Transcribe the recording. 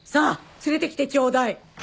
連れて来てちょうだい！